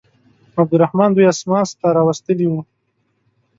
عبدالرحمن دوی اسماس ته راوستلي وه.